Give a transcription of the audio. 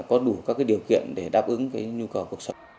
có đủ các điều kiện để đáp ứng cái nhu cầu cuộc sống